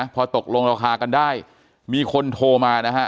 พอตกลงราคากันได้มีคนโทรมานะฮะ